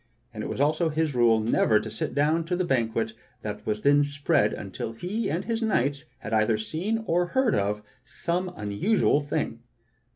And it was also his rule never to sit down to the banquet that was then spread until he and his knights had either seen, or heard of, some unusual thing.